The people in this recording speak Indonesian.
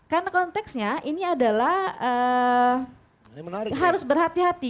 karena konteksnya ini adalah harus berhati hati